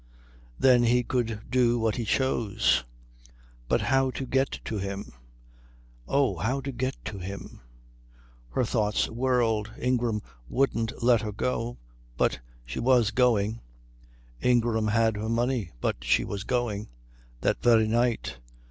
Then he could do what he chose. But how to get to him? Oh, how to get to him? Her thoughts whirled. Ingram wouldn't let her go, but she was going. Ingram had her money, but she was going. That very night.